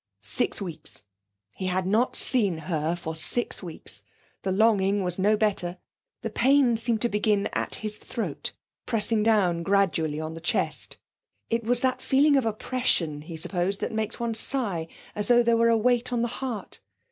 Six weeks! He had not seen her for six weeks. The longing was no better. The pain seemed to begin at his throat, pressing down gradually on the chest It was that feeling of oppression, he supposed, that makes one sigh; as though there were a weight on the heart.